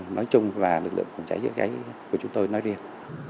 nói chung và lực lượng phòng cháy chữa cháy của chúng tôi nói riêng